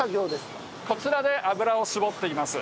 こちらで油を搾っています。